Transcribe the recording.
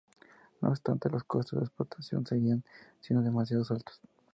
No obstante, los costos de explotación seguían siendo demasiado altos.